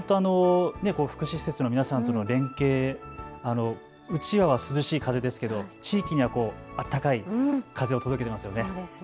福祉施設の皆さんとの連携、うちわは涼しい風ですけれど地域には温かい風を届けていますよね。